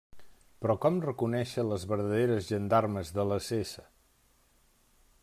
Però com reconèixer les verdaderes gendarmes de les s?